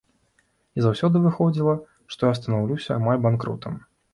І заўсёды выходзіла, што я станаўлюся амаль банкрутам.